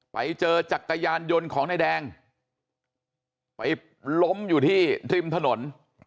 ไปเจอจักรยานยนต์ของนายแดงไปล้มอยู่ที่ริมถนน